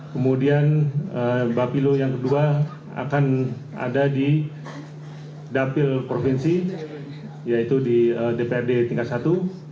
kemudian bapilo yang kedua akan ada di dapil provinsi yaitu di dprd tingkat satu